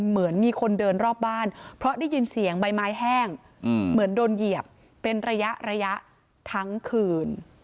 เหมือนมีคนเดินรอบบ้านเพราะได้ยินเสียงใบไม้แห้งเหมือนโดนเหยียบเป็นระยะระยะทั้งคืน